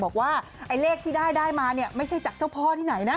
บอกว่าไอ้เลขที่ได้ได้มาเนี่ยไม่ใช่จากเจ้าพ่อที่ไหนนะ